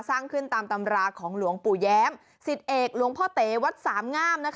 สร้างขึ้นตามตำราของหลวงปู่แย้มสิทธิเอกหลวงพ่อเต๋วัดสามงาม